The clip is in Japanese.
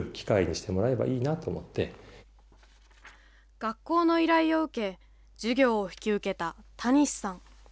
学校の依頼を受け、授業を引き受けたたにしさん。